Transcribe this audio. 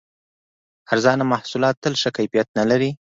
ارزانه محصولات تل ښه کیفیت نه لري.